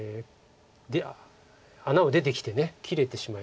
穴を出てきて切れてしまいます。